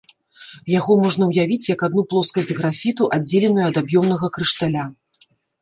Яго можна ўявіць як адну плоскасць графіту, аддзеленую ад аб'ёмнага крышталя.